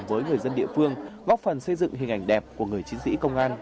với người dân địa phương góp phần xây dựng hình ảnh đẹp của người chiến sĩ công an